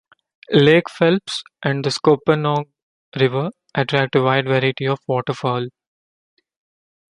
Lake Phelps and the Scuppernong River attract a wide variety of waterfowl.